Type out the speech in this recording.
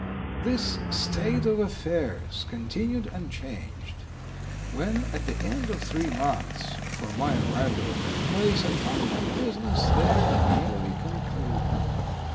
"This state of affairs continued unchanged when at the end of three months from my arrival in that place I found my business there nearly concluded.